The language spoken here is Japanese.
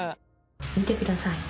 見てください。